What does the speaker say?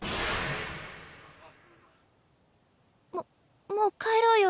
ももう帰ろうよエレン。